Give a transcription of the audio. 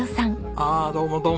ああどうもどうも。